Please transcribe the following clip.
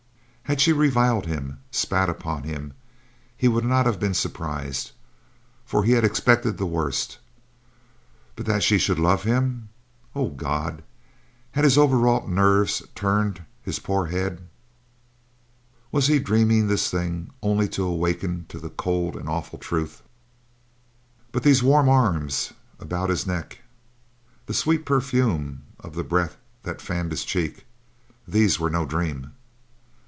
Had she reviled him, spat upon him, he would not have been surprised, for he had expected the worst; but that she should love him! Oh God, had his overwrought nerves turned his poor head? Was he dreaming this thing, only to awaken to the cold and awful truth? But these warm arms about his neck, the sweet perfume of the breath that fanned his cheek; these were no dream!